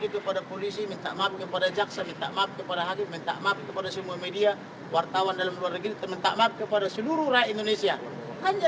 itulah fungsi penasihat hukum membimbing dan memberi nasihat hukum yang baik kepada kelindian